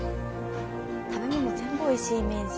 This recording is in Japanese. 食べ物全部おいしいイメージ。